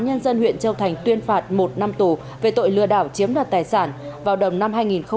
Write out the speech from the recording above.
nhân dân huyện châu thành tuyên phạt một năm tù về tội lừa đảo chiếm đặt tài sản vào đồng năm hai nghìn hai mươi hai